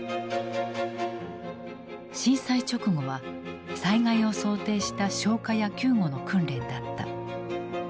震災直後は災害を想定した消火や救護の訓練だった。